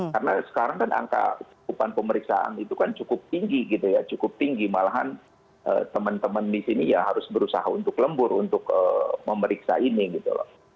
karena sekarang kan angka cukupan pemeriksaan itu kan cukup tinggi gitu ya cukup tinggi malahan teman teman di sini ya harus berusaha untuk lembur untuk memeriksa ini gitu loh